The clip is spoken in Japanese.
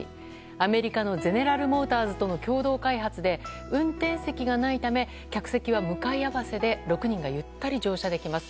アメリカのゼネラル・モーターズとの共同開発で運転席がないため客席は向かい合わせで６人がゆったり乗車できます。